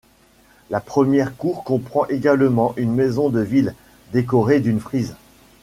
La première cour comprend également une maison de ville, décorée d'une frise.